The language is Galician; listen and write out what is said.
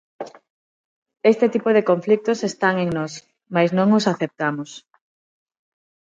Ese tipo de conflitos están en nós, mais non os aceptamos.